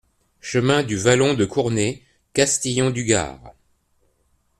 Chemin du Vallon de Cournet, Castillon-du-Gard